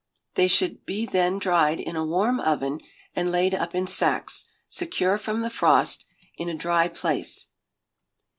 They should be then dried in a warm oven, and laid up in sacks, secure from the frost, in a dry place.